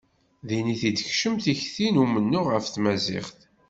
Din i t-id-tekcem tikti n umennuɣ ɣef tmaziɣt.